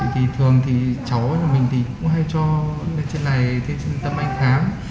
thường thì cháu và mình cũng hay cho lên trên này trên tâm anh khám